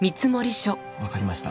わかりました。